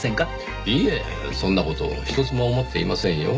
いえそんな事ひとつも思っていませんよ。